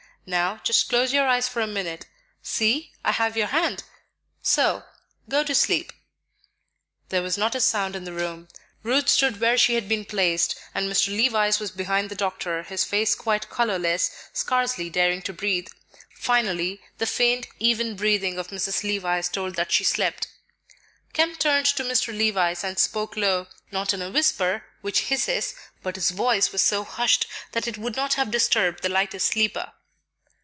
"Now just close your eyes for a minute; see, I have your hand, so. Go to sleep." There was not a sound in the room; Ruth stood where she had been placed, and Mr. Levice was behind the doctor, his face quite colorless, scarcely daring to breathe. Finally the faint, even breathing of Mrs. Levice told that she slept. Kemp turned to Mr. Levice and spoke low, not in a whisper, which hisses, but his voice was so hushed that it would not have disturbed the lightest sleeper.